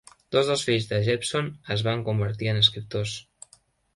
Dos dels fills de Jepson es van convertir en escriptors.